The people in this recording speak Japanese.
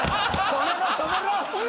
止めろ止めろ！